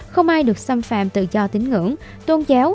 không ai được xâm phạm tự do tín ngưỡng tôn giáo